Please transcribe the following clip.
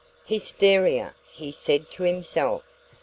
"Hysteria," he said to himself.